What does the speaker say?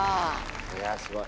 いやすごい。